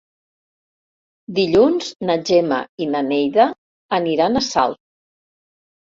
Dilluns na Gemma i na Neida aniran a Salt.